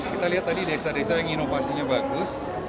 kita lihat tadi desa desa yang inovasinya bagus